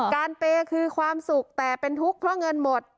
เปย์คือความสุขแต่เป็นทุกข์เพราะเงินหมด